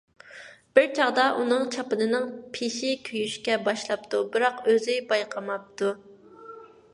بىر چاغدا ئۇنىڭ چاپىنىنىڭ پېشى كۆيۈشكە باشلاپتۇ، بىراق ئۆزى بايقىماپتۇ.